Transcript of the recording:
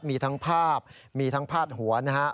มีทั้งภาพมีทั้งพาดหัวนะฮะ